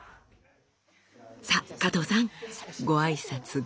さあ加藤さんご挨拶ご挨拶。